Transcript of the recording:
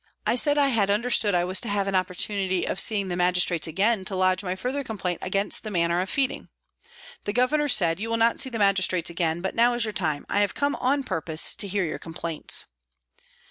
I said I had understood I was to have an opportunity of seeing the Magistrates again to lodge my further complaint against the manner of feeding. The Governor said, " You will not see the Magistrates again ; but now is your time, I have come on purpose to hear your complaints."